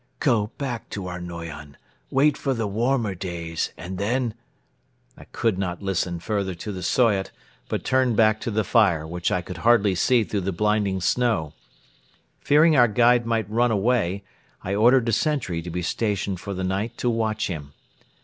... Go back to our Noyon, wait for the warmer days and then. ..." I did not listen further to the Soyot but turned back to the fire, which I could hardly see through the blinding snow. Fearing our guide might run away, I ordered a sentry to be stationed for the night to watch him.